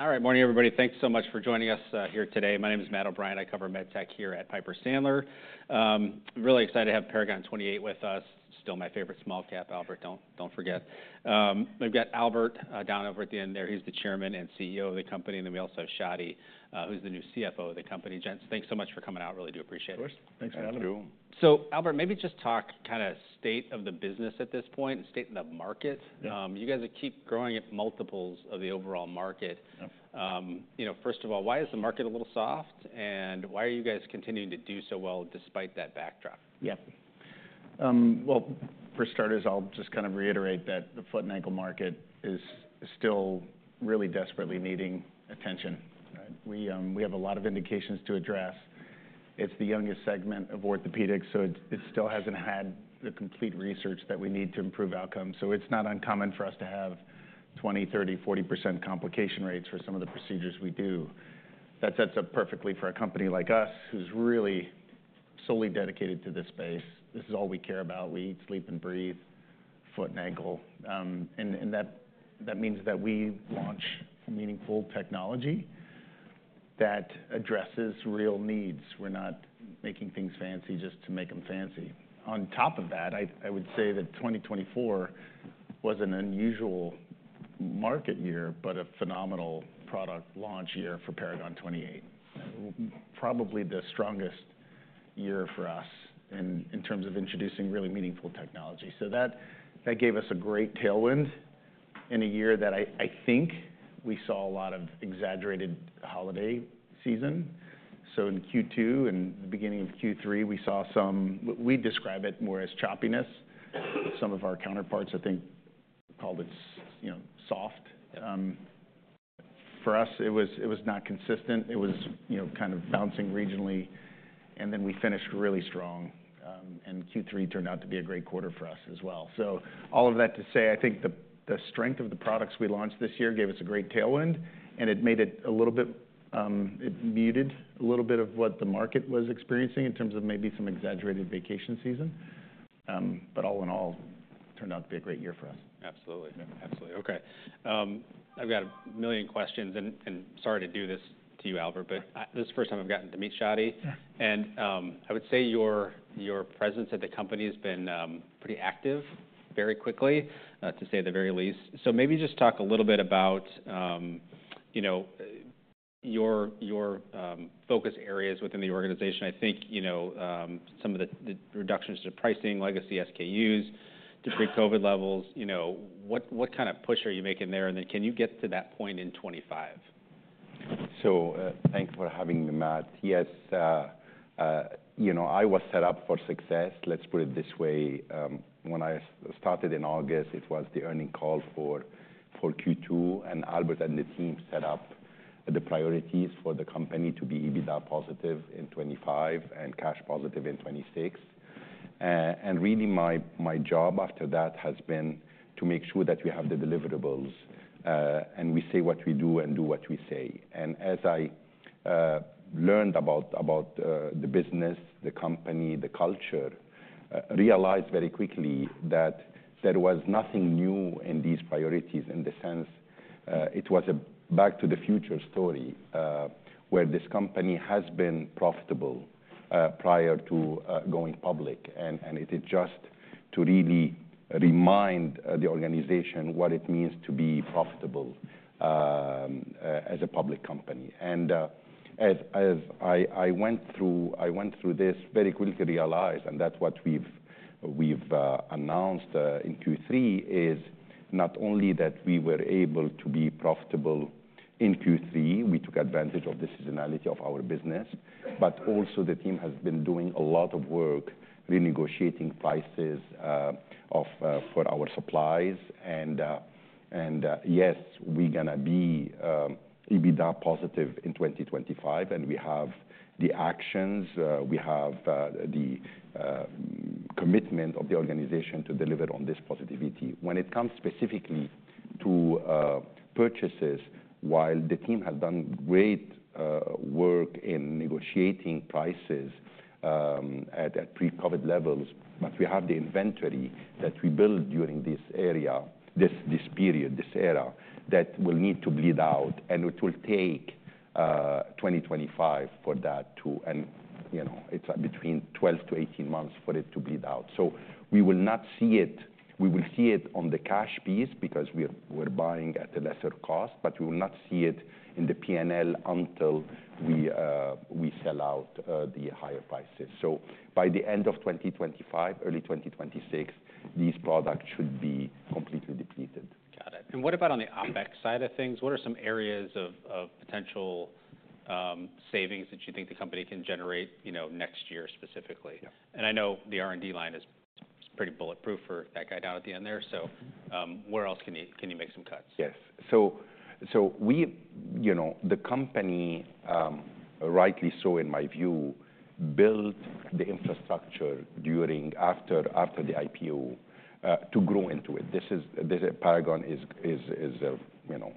All right, morning everybody. Thank you so much for joining us here today. My name is Matt O'Brien. I cover med tech here at Piper Sandler. I'm really excited to have Paragon 28 with us. Still my favorite small cap, Albert. Don't, don't forget. We've got Albert down over at the end there. He's the Chairman and CEO of the company. And then we also have Chadi, who's the new CFO of the company. Gents, thanks so much for coming out. Really do appreciate it. Of course. Thanks for having us. Thank you. So, Albert, maybe just talk kinda state of the business at this point and state of the market. Yeah. You guys keep growing at multiples of the overall market. Yeah. You know, first of all, why is the market a little soft? And why are you guys continuing to do so well despite that backdrop? Yeah, well, for starters, I'll just kind of reiterate that the foot and ankle market is still really desperately needing attention, right? We have a lot of indications to address. It's the youngest segment of orthopedics, so it still hasn't had the complete research that we need to improve outcomes. So it's not uncommon for us to have 20%, 30%, 40% complication rates for some of the procedures we do. That sets up perfectly for a company like us who's really solely dedicated to this space. This is all we care about. We eat, sleep, and breathe foot and ankle, and that means that we launch meaningful technology that addresses real needs. We're not making things fancy just to make them fancy. On top of that, I would say that 2024 was an unusual market year, but a phenomenal product launch year for Paragon 28. Probably the strongest year for us in terms of introducing really meaningful technology. So that gave us a great tailwind in a year that I think we saw a lot of exaggerated holiday season. So in Q2 and the beginning of Q3, we saw some we describe it more as choppiness. Some of our counterparts, I think, called it, you know, soft. For us, it was not consistent. It was, you know, kind of bouncing regionally, and then we finished really strong, and Q3 turned out to be a great quarter for us as well. So all of that to say, I think the strength of the products we launched this year gave us a great tailwind, and it made it a little bit, it muted a little bit of what the market was experiencing in terms of maybe some exaggerated vacation season. But all in all, turned out to be a great year for us. Absolutely. Yeah. Absolutely. Okay. I've got a million questions, and sorry to do this to you, Albert, but this is the first time I've gotten to meet Chadi. Yeah. I would say your presence at the company has been pretty active very quickly, to say the very least. So maybe just talk a little bit about, you know, your focus areas within the organization. I think, you know, some of the reductions to pricing, legacy SKUs, to pre-COVID levels. You know, what kind of push are you making there? And then can you get to that point in 2025? So, thank you for having me, Matt. Yes, you know, I was set up for success. Let's put it this way. When I started in August, it was the earnings call for Q2. And Albert and the team set up the priorities for the company to be EBITDA positive in 2025 and cash positive in 2026. And really my job after that has been to make sure that we have the deliverables, and we say what we do and do what we say. And as I learned about the business, the company, the culture, realized very quickly that there was nothing new in these priorities in the sense, it was a back-to-the-future story, where this company has been profitable, prior to going public. And it is just to really remind the organization what it means to be profitable, as a public company. As I went through this, I very quickly realized, and that's what we've announced in Q3 is not only that we were able to be profitable in Q3. We took advantage of the seasonality of our business, but also the team has been doing a lot of work renegotiating prices for our supplies. Yes, we're gonna be EBITDA positive in 2025. We have the actions. We have the commitment of the organization to deliver on this positivity. When it comes specifically to purchases, while the team has done great work in negotiating prices at pre-COVID levels, but we have the inventory that we built during this era that will need to bleed out. And it will take 2025 for that to, and you know, it's between 12 to 18 months for it to bleed out. So we will not see it. We will see it on the cash piece because we're buying at a lesser cost, but we will not see it in the P&L until we sell out the higher prices. So by the end of 2025, early 2026, these products should be completely depleted. Got it. And what about on the OpEx side of things? What are some areas of potential savings that you think the company can generate, you know, next year specifically? Yeah. I know the R&D line is pretty bulletproof for that guy down at the end there. Where else can you make some cuts? Yes. So we, you know, the company, rightly so in my view, built the infrastructure after the IPO, to grow into it. This is, this Paragon is, you know,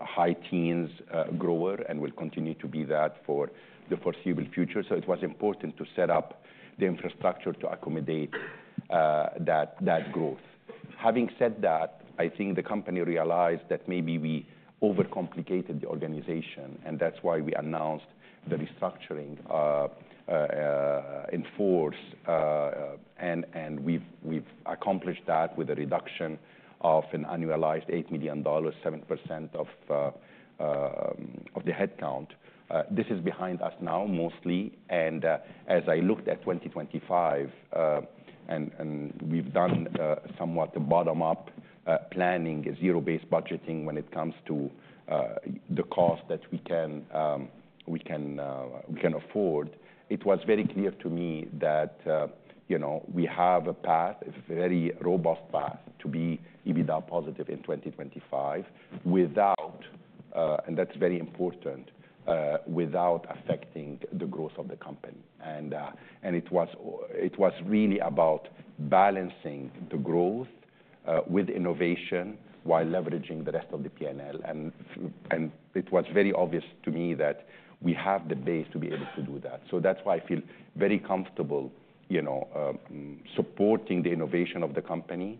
high teens grower and will continue to be that for the foreseeable future. So it was important to set up the infrastructure to accommodate that growth. Having said that, I think the company realized that maybe we overcomplicated the organization, and that's why we announced the restructuring in force. And we've accomplished that with a reduction of an annualized $8 million, 7% of the headcount. This is behind us now mostly, and as I looked at 2025, and we've done somewhat bottom-up planning, zero-based budgeting when it comes to the cost that we can afford. It was very clear to me that, you know, we have a path, a very robust path to be EBITDA positive in 2025 without, and that's very important, without affecting the growth of the company, and it was really about balancing the growth with innovation while leveraging the rest of the P&L, and it was very obvious to me that we have the base to be able to do that. So that's why I feel very comfortable, you know, supporting the innovation of the company,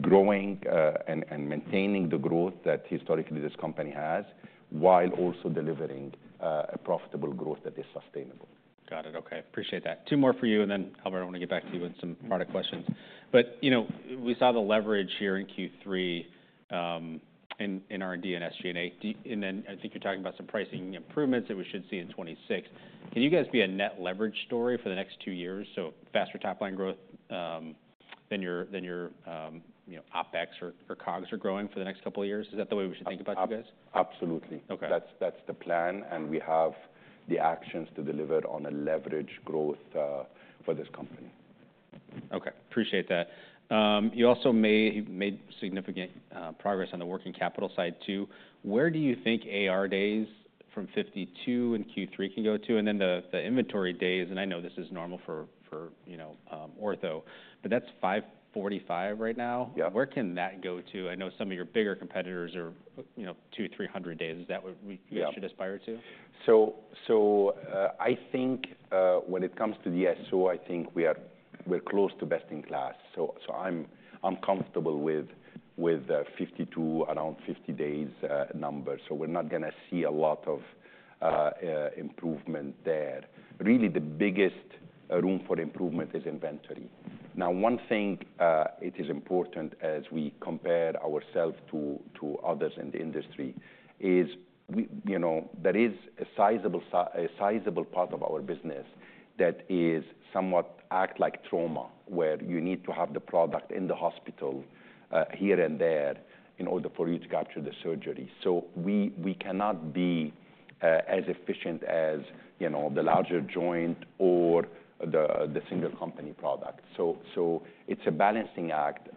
growing and maintaining the growth that historically this company has while also delivering a profitable growth that is sustainable. Got it. Okay. Appreciate that. Two more for you. And then, Albert, I wanna get back to you with some product questions. But, you know, we saw the leverage here in Q3, in R&D and SG&A. Do you, and then I think you're talking about some pricing improvements that we should see in 2026. Can you guys be a net leverage story for the next two years? So faster top-line growth than your, you know, OpEx or COGS are growing for the next couple of years. Is that the way we should think about you guys? Absolutely. Okay. That's the plan, and we have the actions to deliver on leveraged growth for this company. Okay. Appreciate that. You also made significant progress on the working capital side too. Where do you think AR days from 52 in Q3 can go to? And then the inventory days, and I know this is normal for you know, Ortho. But that's 545 right now. Yeah. Where can that go to? I know some of your bigger competitors are, you know, 200, 300 days. Is that what we should aspire to? Yeah. I think when it comes to the DSO, we are close to best in class. I'm comfortable with 52, around 50 days number. We're not gonna see a lot of improvement there. Really, the biggest room for improvement is inventory. Now, one thing. It is important as we compare ourselves to others in the industry. We, you know, there is a sizable part of our business that somewhat acts like trauma where you need to have the product in the hospital here and there in order for you to capture the surgery. We cannot be as efficient as, you know, the larger joint or the single company product. It's a balancing act.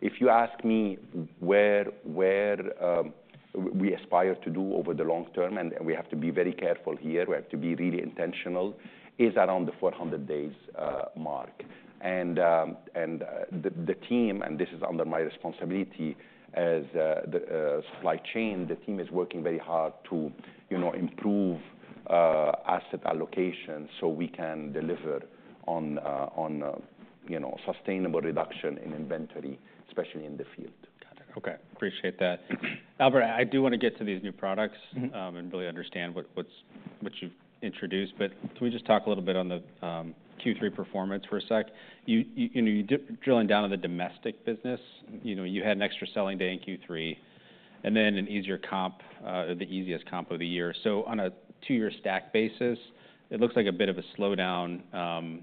If you ask me where we aspire to do over the long term, and we have to be very careful here, we have to be really intentional, is around the 400 days mark. And the team, and this is under my responsibility as the supply chain, the team is working very hard to you know improve asset allocation so we can deliver on you know sustainable reduction in inventory, especially in the field. Got it. Okay. Appreciate that. Albert, I do wanna get to these new products. Mm-hmm. and really understand what's you've introduced. But can we just talk a little bit on the Q3 performance for a sec? You know, you're drilling down on the domestic business, you know, you had an extra selling day in Q3 and then an easier comp, the easiest comp of the year. So on a two-year stack basis, it looks like a bit of a slowdown,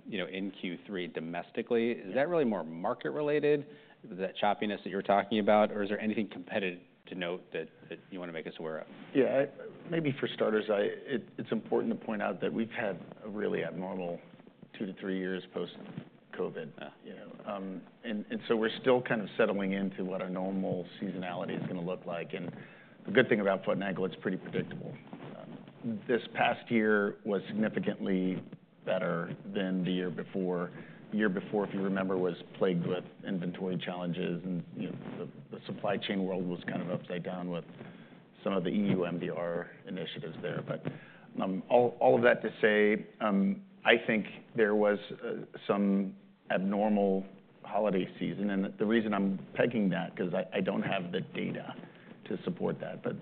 you know, in Q3 domestically. Is that really more market-related, that choppiness that you were talking about, or is there anything competitive to note that you wanna make us aware of? Yeah. Maybe for starters, it's important to point out that we've had a really abnormal two to three years post-COVID. Yeah. You know, and so we're still kind of settling into what our normal seasonality is gonna look like, and the good thing about foot and ankle, it's pretty predictable. This past year was significantly better than the year before, year before, if you remember, was plagued with inventory challenges and, you know, the supply chain world was kind of upside down with some of the EU MDR initiatives there. But all of that to say, I think there was some abnormal holiday season, and the reason I'm pegging that, 'cause I don't have the data to support that, but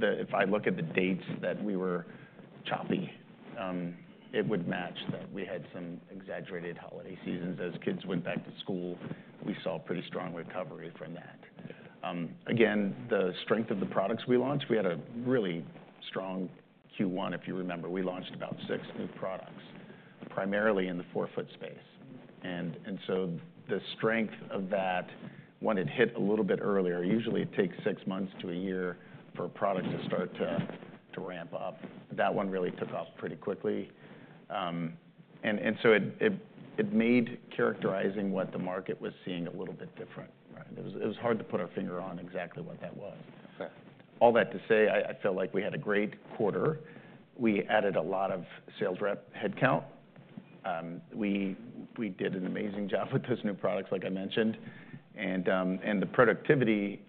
if I look at the dates that we were choppy, it would match that we had some exaggerated holiday seasons. As kids went back to school, we saw pretty strong recovery from that. Again, the strength of the products we launched. We had a really strong Q1, if you remember. We launched about six new products primarily in the forefoot space. And so the strength of that, when it hit a little bit earlier. Usually it takes six months to a year for a product to start to ramp up. That one really took off pretty quickly. And so it made characterizing what the market was seeing a little bit different, right? It was hard to put our finger on exactly what that was. Okay. All that to say, I felt like we had a great quarter. We added a lot of sales rep headcount. We did an amazing job with those new products, like I mentioned. The productivity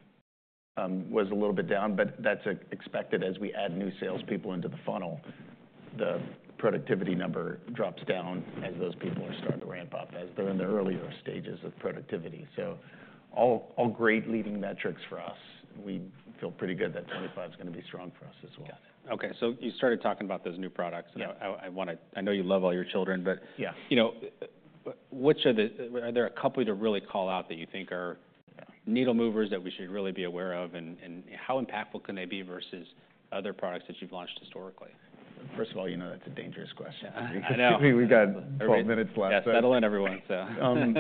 was a little bit down, but that's expected as we add new salespeople into the funnel. The productivity number drops down as those people are starting to ramp up as they're in the earlier stages of productivity. So all great leading metrics for us. We feel pretty good that 2025's gonna be strong for us as well. Got it. Okay. So you started talking about those new products. Yeah. I wanna. I know you love all your children, but. Yeah. You know, are there a couple you'd really call out that you think are needle movers that we should really be aware of? And how impactful can they be versus other products that you've launched historically? First of all, you know, that's a dangerous question. I know. I think we've got 12 minutes left. Settle in everyone. So.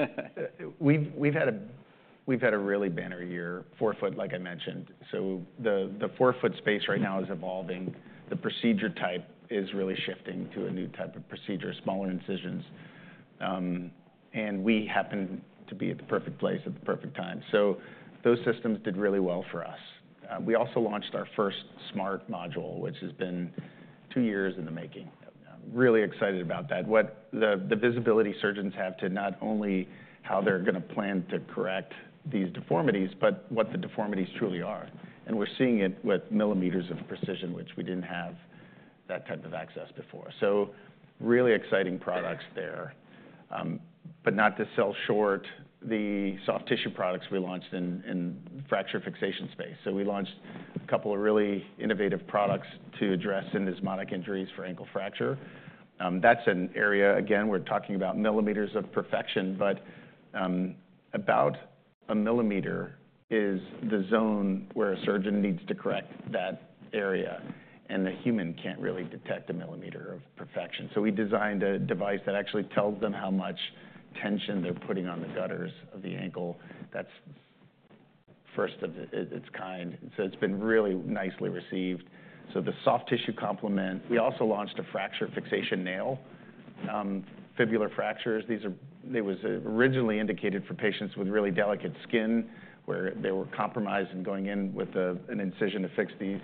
We've had a really banner year, forefoot, like I mentioned. So the forefoot space right now is evolving. The procedure type is really shifting to a new type of procedure, smaller incisions, and we happen to be at the perfect place at the perfect time. So those systems did really well for us. We also launched our first Smart module, which has been two years in the making. Really excited about that. With the visibility surgeons have to not only how they're gonna plan to correct these deformities, but what the deformities truly are. And we're seeing it with millimeters of precision, which we didn't have that type of access before. So really exciting products there, but not to sell short the soft tissue products we launched in the fracture fixation space. So we launched a couple of really innovative products to address syndesmotic injuries for ankle fracture. That's an area, again, we're talking about millimeters of perfection, but about a millimeter is the zone where a surgeon needs to correct that area. And the human can't really detect a millimeter of perfection. So we designed a device that actually tells them how much tension they're putting on the gutters of the ankle. That's first of its kind. So it's been really nicely received. So the soft tissue complement, we also launched a fracture fixation nail, fibular fractures. These are, it was originally indicated for patients with really delicate skin where they were compromised and going in with an incision to fix these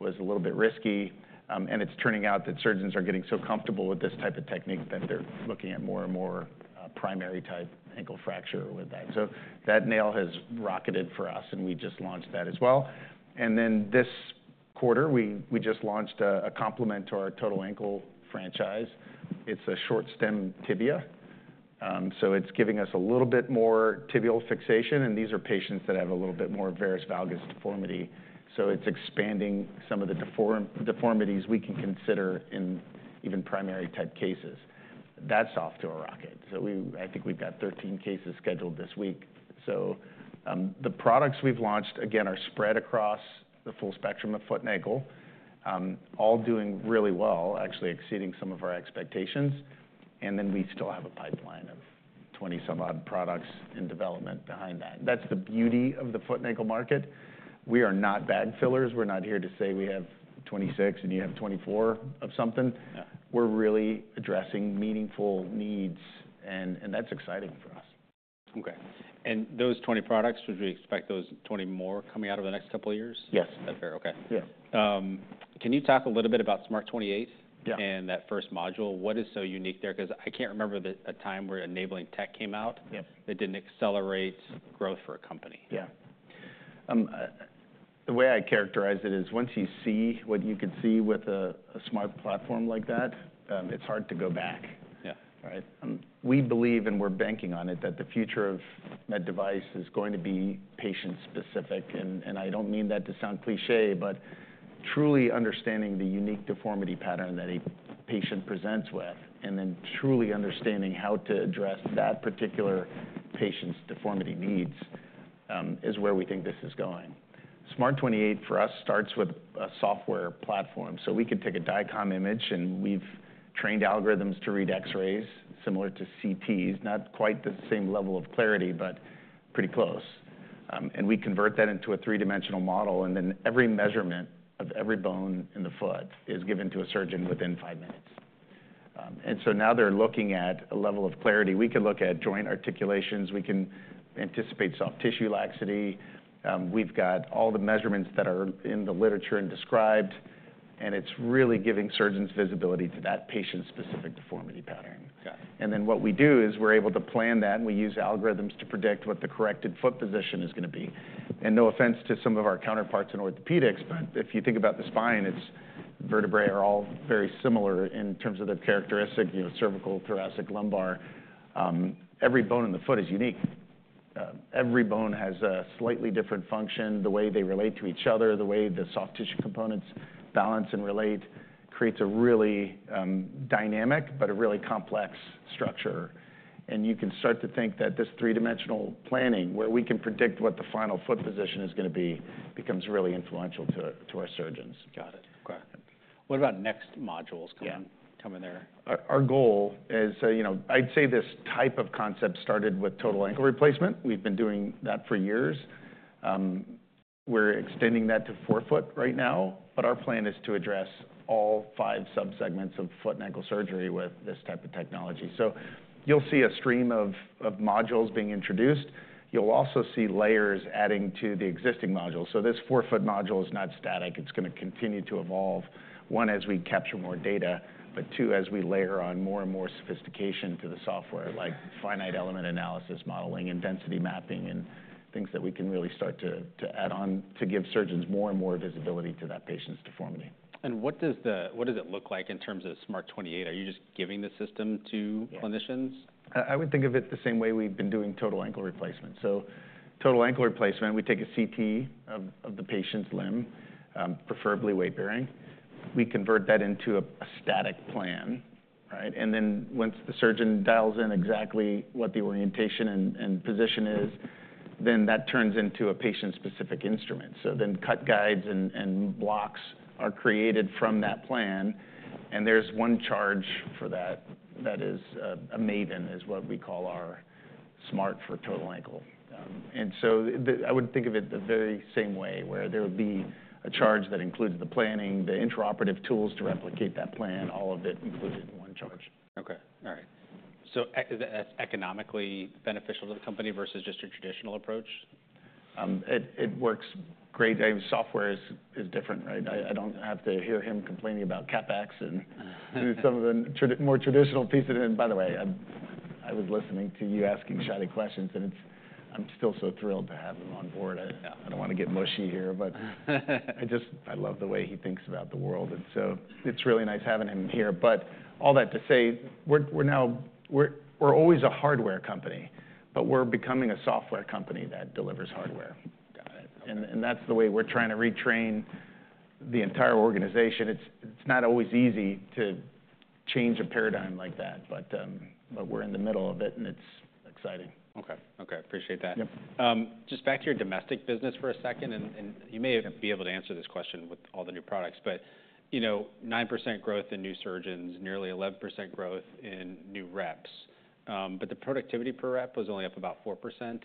was a little bit risky. It's turning out that surgeons are getting so comfortable with this type of technique that they're looking at more and more primary type ankle fracture with that, so that nail has rocketed for us, and we just launched that as well, and then this quarter, we just launched a complement to our total ankle franchise. It's a short stem tibia, so it's giving us a little bit more tibial fixation, and these are patients that have a little bit more varus valgus deformity, so it's expanding some of the deformities we can consider in even primary type cases. That's off to a rocket, so we I think we've got 13 cases scheduled this week, so the products we've launched, again, are spread across the full spectrum of foot and ankle, all doing really well, actually exceeding some of our expectations. And then we still have a pipeline of 20 some odd products in development behind that. That's the beauty of the foot and ankle market. We are not bag fillers. We're not here to say we have 26 and you have 24 of something. Yeah. We're really addressing meaningful needs, and that's exciting for us. Okay. And those 20 products, would you expect those 20 more coming out over the next couple of years? Yes. Is that fair? Okay. Yeah. Can you talk a little bit about Smart 28? Yeah. That first module? What is so unique there? 'Cause I can't remember a time where enabling tech came out. Yeah. That didn't accelerate growth for a company. Yeah. The way I characterize it is once you see what you could see with a smart platform like that, it's hard to go back. Yeah. Right? We believe, and we're banking on it, that the future of med device is going to be patient-specific. I don't mean that to sound cliché, but truly understanding the unique deformity pattern that a patient presents with, and then truly understanding how to address that particular patient's deformity needs, is where we think this is going. Smart 28 for us starts with a software platform. So we could take a DICOM image, and we've trained algorithms to read X-rays similar to CTs. Not quite the same level of clarity, but pretty close. We convert that into a three-dimensional model. Then every measurement of every bone in the foot is given to a surgeon within five minutes. So now they're looking at a level of clarity. We can look at joint articulations. We can anticipate soft tissue laxity. We've got all the measurements that are in the literature and described, and it's really giving surgeons visibility to that patient-specific deformity pattern. Got it. And then what we do is we're able to plan that, and we use algorithms to predict what the corrected foot position is gonna be. No offense to some of our counterparts in orthopedics, but if you think about the spine, its vertebrae are all very similar in terms of their characteristic, you know, cervical, thoracic, lumbar. Every bone in the foot is unique. Every bone has a slightly different function. The way they relate to each other, the way the soft tissue components balance and relate creates a really, dynamic, but a really complex structure. And you can start to think that this three-dimensional planning where we can predict what the final foot position is gonna be becomes really influential to, to our surgeons. Got it. Okay. What about next modules coming? Yeah. Coming there. Our goal is, you know, I'd say this type of concept started with total ankle replacement. We've been doing that for years. We're extending that to forefoot right now, but our plan is to address all five subsegments of foot and ankle surgery with this type of technology. So you'll see a stream of modules being introduced. You'll also see layers adding to the existing module. So this forefoot module is not static. It's gonna continue to evolve, one, as we capture more data, but two, as we layer on more and more sophistication to the software, like finite element analysis, modeling, and density mapping, and things that we can really start to add on to give surgeons more and more visibility to that patient's deformity. What does it look like in terms of Smart 28? Are you just giving the system to clinicians? Yeah. I would think of it the same way we've been doing total ankle replacement. So total ankle replacement, we take a CT of the patient's limb, preferably weightbearing. We convert that into a static plan, right? And then once the surgeon dials in exactly what the orientation and position is, then that turns into a patient-specific instrument. So then cut guides and blocks are created from that plan. And there's one charge for that that is, a Maven is what we call our Smart 28 for total ankle. And so I would think of it the very same way where there would be a charge that includes the planning, the intraoperative tools to replicate that plan, all of it included in one charge. So, is that economically beneficial to the company versus just your traditional approach? It works great. I mean, software is different, right? I don't have to hear him complaining about CapEx and some of the more traditional pieces. And by the way, I was listening to you asking Chadi questions, and I'm still so thrilled to have him on board. I don't wanna get mushy here, but I just love the way he thinks about the world. And so it's really nice having him here. But all that to say, we're now. We're always a hardware company, but we're becoming a software company that delivers hardware. Got it. And that's the way we're trying to retrain the entire organization. It's not always easy to change a paradigm like that, but we're in the middle of it, and it's exciting. Okay. Okay. Appreciate that. Yep. Just back to your domestic business for a second. And you may be able to answer this question with all the new products, but, you know, 9% growth in new surgeons, nearly 11% growth in new reps. But the productivity per rep was only up about 4%.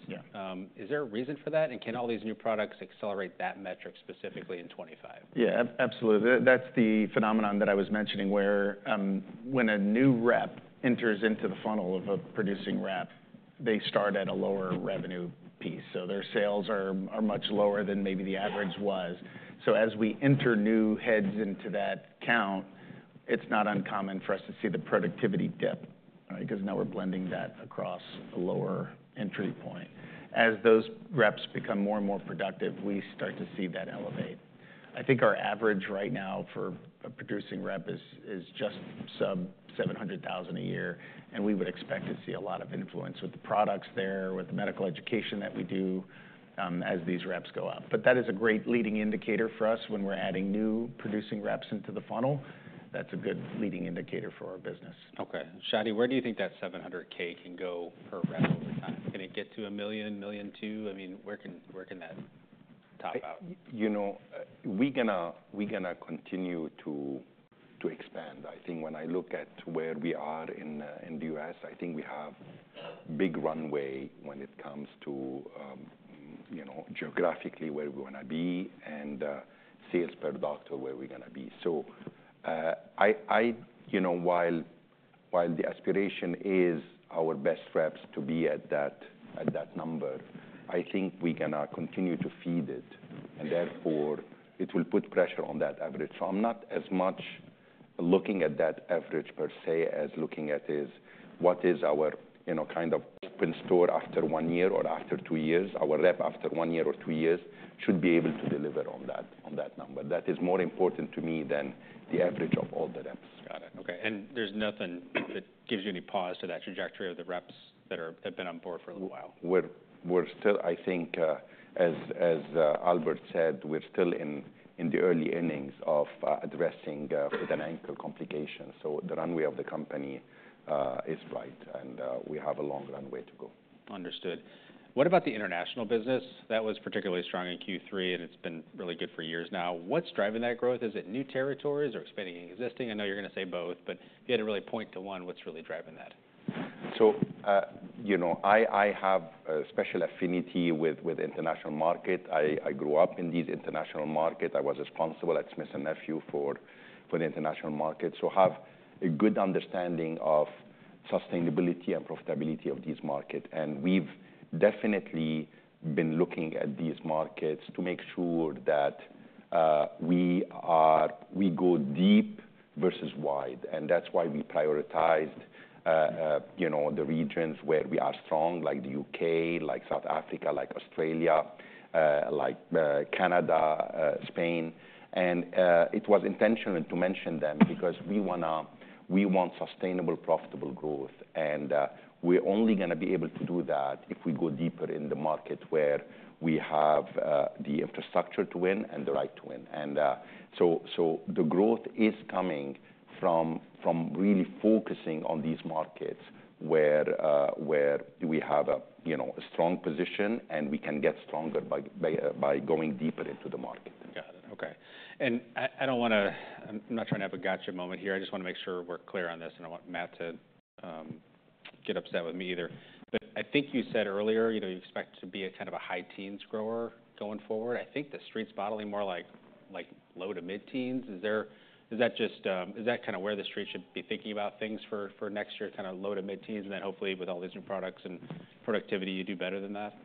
Yeah. Is there a reason for that? And can all these new products accelerate that metric specifically in 2025? Yeah, absolutely. That's the phenomenon that I was mentioning where, when a new rep enters into the funnel of a producing rep, they start at a lower revenue piece. So their sales are much lower than maybe the average was. So as we enter new heads into that count, it's not uncommon for us to see the productivity dip, right? 'Cause now we're blending that across a lower entry point. As those reps become more and more productive, we start to see that elevate. I think our average right now for a producing rep is just sub $700,000 a year, and we would expect to see a lot of influence with the products there, with the medical education that we do, as these reps go up, but that is a great leading indicator for us when we're adding new producing reps into the funnel. That's a good leading indicator for our business. Okay. Chadi, where do you think that $700K can go per rep over time? Can it get to a $1 million, $1.2 million? I mean, where can, where can that top out? You know, we're gonna continue to expand. I think when I look at where we are in the U.S., I think we have a big runway when it comes to, you know, geographically where we wanna be and sales per doctor where we're gonna be. So, you know, while the aspiration is our best reps to be at that number, I think we're gonna continue to feed it. And therefore, it will put pressure on that average. So I'm not as much looking at that average per se as looking at what is our, you know, kind of open store after one year or after two years. Our rep after one year or two years should be able to deliver on that number. That is more important to me than the average of all the reps. Got it. Okay. And there's nothing that gives you any pause to that trajectory of the reps that have been on board for a little while? We're still, I think, as Albert said, we're still in the early innings of addressing foot and ankle complications. So the runway of the company is right, and we have a long runway to go. Understood. What about the international business? That was particularly strong in Q3, and it's been really good for years now. What's driving that growth? Is it new territories or expanding existing? I know you're gonna say both, but if you had to really point to one, what's really driving that? So, you know, I have a special affinity with the international market. I grew up in these international markets. I was responsible at Smith & Nephew for the international market. So I have a good understanding of sustainability and profitability of these markets. And we've definitely been looking at these markets to make sure that we go deep versus wide. And that's why we prioritized, you know, the regions where we are strong, like the U.K., like South Africa, like Australia, like Canada, Spain. And it was intentional to mention them because we want sustainable, profitable growth. And we're only gonna be able to do that if we go deeper in the market where we have the infrastructure to win and the right to win. The growth is coming from really focusing on these markets where we have, you know, a strong position and we can get stronger by going deeper into the market. Got it. Okay. And I don't wanna. I'm not trying to have a gotcha moment here. I just wanna make sure we're clear on this, and I don't want Matt to get upset with me either. But I think you said earlier, you know, you expect to be a kind of a high teens grower going forward. I think the Street's modeling more like low to mid teens. Is that just kinda where the Street should be thinking about things for next year, kinda low to mid teens? And then hopefully with all these new products and productivity, you do better than that?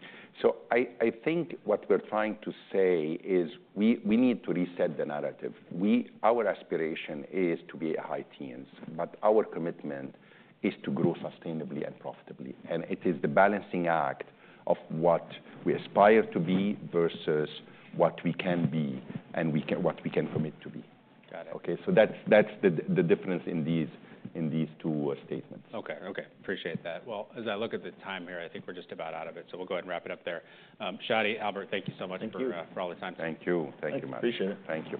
So I think what we're trying to say is we need to reset the narrative. Our aspiration is to be high teens, but our commitment is to grow sustainably and profitably. And it is the balancing act of what we aspire to be versus what we can be and what we can commit to be. Got it. Okay? So that's the difference in these two statements. Okay. Okay. Appreciate that. As I look at the time here, I think we're just about out of it. We'll go ahead and wrap it up there. Chadi, Albert, thank you so much for all the time. Thank you. Thank you, Matt. Appreciate it. Thank you.